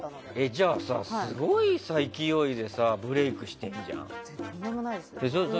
じゃあ、すごい勢いでブレークしてるじゃん。